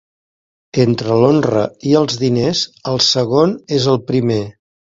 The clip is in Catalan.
Entre l'honra i els diners, el segon és el primer.